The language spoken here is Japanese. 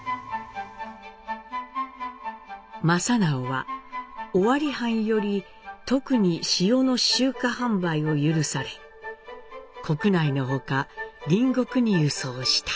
正直は尾張藩より特に塩の集荷販売を許され国内の外隣国に輸送した。